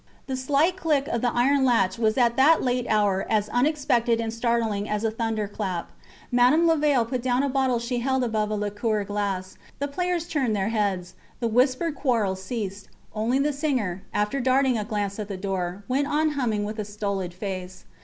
The slight click of the iron latch was at that late hour as unexpected and startling as a thunder clap. Madame Levaille put down a bottle she held above a liqueur glass; the players turned their heads; the whispered quarrel ceased; only the singer, after darting a glance at the door, went on humming with a stolid face.